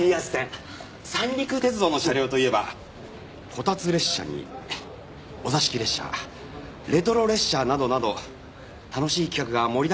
三陸鉄道の車両といえばこたつ列車にお座敷列車レトロ列車などなど楽しい企画が盛りだくさんなんですよね。